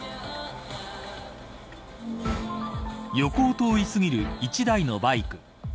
横を通り過ぎる１台のバイク。